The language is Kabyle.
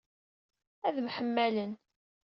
Ad mḥemmalen.